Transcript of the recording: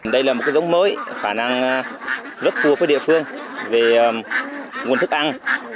đây là một cái giống mới khả năng rất phù hợp với địa phương về nguồn thức ăn